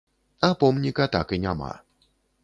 А помніка так і няма.